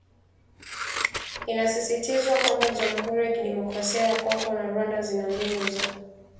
Inasisitizwa kwamba Jamuhuri ya Kidemokrasia ya Kongo na Rwanda zina mbinu za